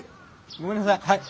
ごめんなさいはい。